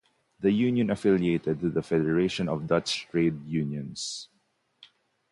The union affiliated to the Federation of Dutch Trade Unions.